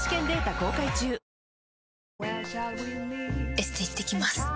エステ行ってきます。